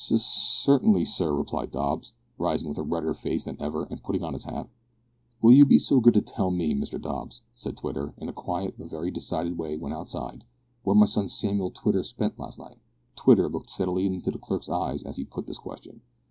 "C certainly, sir," replied Dobbs, rising with a redder face than ever, and putting on his hat. "Will you be so good as to tell me, Mr Dobbs," said Twitter, in a quiet but very decided way when outside, "where my son Samuel Twitter spent last night?" Twitter looked steadily in the clerk's eyes as he put this question.